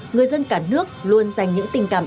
người dân cả nước luôn dành những tình cảm